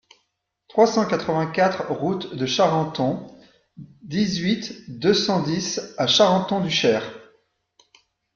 trois cent quatre-vingt-quatre route de Charenton, dix-huit, deux cent dix à Charenton-du-Cher